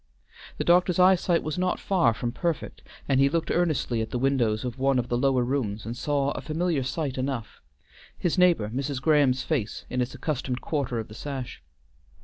The doctor's eyesight was not far from perfect, and he looked earnestly at the windows of one of the lower rooms and saw a familiar sight enough; his neighbor Mrs. Graham's face in its accustomed quarter of the sash.